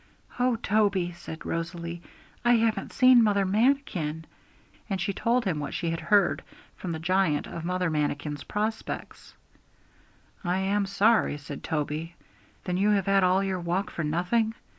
'Oh, Toby,' said Rosalie, 'I haven't seen Mother Manikin!' and she told him what she had heard from the giant of Mother Manikin's prospects. 'I am sorry,' said Toby. 'Then you have had all your walk for nothing?'